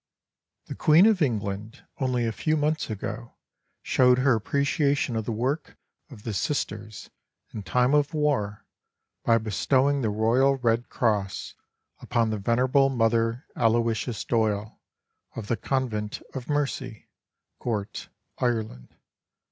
The Queen of England only a few months ago showed her appreciation of the work of the Sisters in time of war by bestowing the Royal Red Cross upon the venerable Mother Aloysius Doyle, of the Convent of Mercy, Gort, Ireland.